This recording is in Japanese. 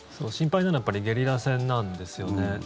心配なのはやっぱりゲリラ戦なんですよね。